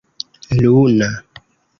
luna